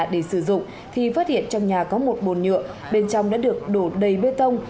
để sử dụng thì phát hiện trong nhà có một bồn nhựa bên trong đã được đổ đầy bê tông